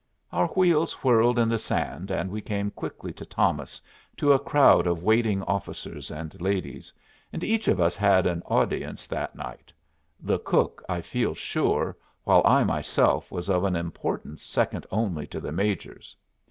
Our wheels whirled in the sand and we came quickly to Thomas, to a crowd of waiting officers and ladies; and each of us had an audience that night the cook, I feel sure, while I myself was of an importance second only to the Major's.